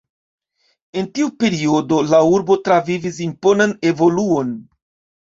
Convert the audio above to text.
En tiu periodo la urbo travivis imponan evoluon.